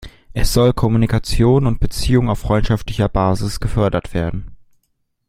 Es soll Kommunikation und Beziehungen auf freundschaftlicher Basis gefördert werden.